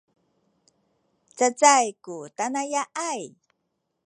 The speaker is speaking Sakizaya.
cacay ku tanaya’ay